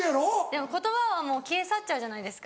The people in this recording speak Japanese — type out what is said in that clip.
でも言葉はもう消え去っちゃうじゃないですか。